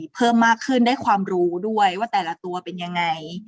เพิ่มมากขึ้นได้ความรู้ด้วยว่าแต่ละตัวเป็นยังไง